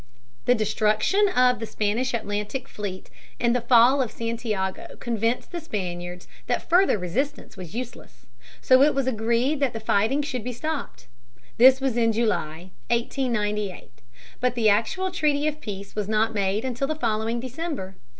The destruction of the Spanish Atlantic fleet and the fall of Santiago convinced the Spaniards that further resistance was useless. So it was agreed that the fighting should be stopped. This was in July, 1898. But the actual treaty of peace was not made until the following December.